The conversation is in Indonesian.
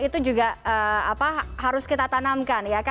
itu juga harus kita tanamkan ya kan